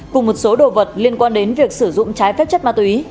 cùng một số đồ vật liên quan đến việc sử dụng trái phép chất ma túy